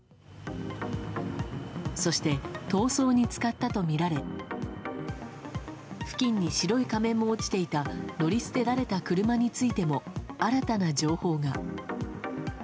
そして逃走に使ったとみられ付近に白い仮面も落ちていた乗り捨てられた車についても新たな情報が。